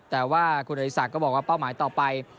แต่ว่าคุณอริสักก็บอกว่าเป้าหมายต่อไป